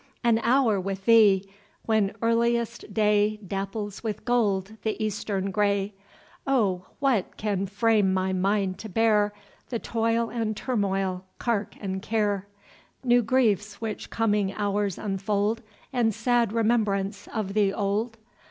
An hour with thee!—When earliest day Dapples with gold the eastern grey, Oh, what, can frame my mind to bear The toil and turmoil, cark and care. New griefs, which coming hours unfold, And sad remembrance of the old?